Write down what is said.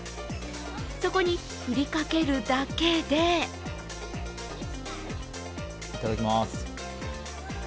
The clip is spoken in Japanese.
そこに振りかけるだけでいただきます。